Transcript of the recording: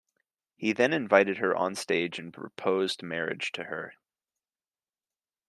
He then invited her onstage and proposed marriage to her.